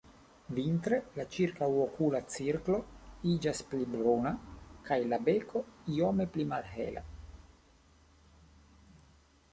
Vintre la ĉirkaŭokula cirklo iĝas pli bruna kaj la beko iome pli malhela.